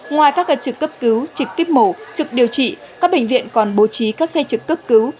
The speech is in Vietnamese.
ngoài các trực cấp cứu trực tiếp mổ trực điều trị các bệnh viện còn bố trí các xe trực cấp cứu